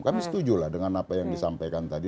kami setuju lah dengan apa yang disampaikan tadi